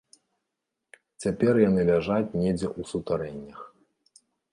Цяпер яны ляжаць недзе ў сутарэннях.